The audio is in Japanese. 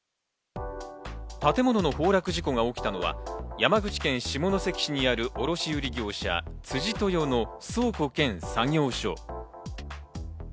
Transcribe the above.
建物の崩落事故が起きたのは山口県下関市にある卸売業者・辻豊の倉庫兼作業所。